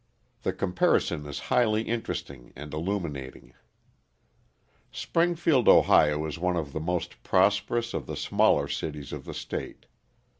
The comparison is highly interesting and illuminating. Springfield, O., is one of the most prosperous of the smaller cities of the state.